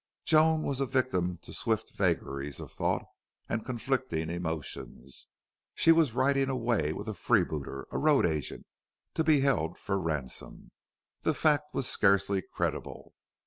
Joan was a victim to swift vagaries of thought and conflicting emotions. She was riding away with a freebooter, a road agent, to be held for ransom. The fact was scarcely credible.